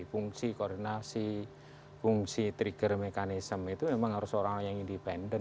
fungsi koordinasi fungsi trigger mechanism itu memang harus orang orang yang independen